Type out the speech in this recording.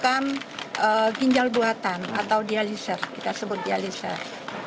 kita memerlukan ginjal buatan atau dialiser kita sebut dialiser